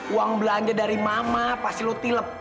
uang belanja dari mama pasti lo tilep